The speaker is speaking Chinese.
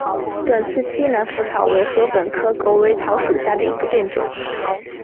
短刺西南莩草为禾本科狗尾草属下的一个变种。